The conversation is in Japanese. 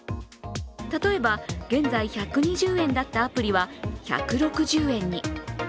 例えば、現在１２０円だったアプリは１６０円に。